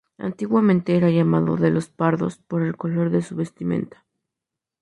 Antiguamente era llamado "de los pardos" por el color de su vestimenta.